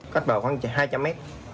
cách bờ khoảng hai trăm linh m